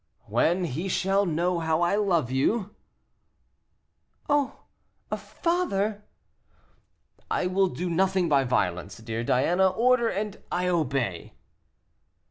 "When he shall know how I love you?" "Oh! a father!" "I will do nothing by violence, dear Diana; order, and I obey."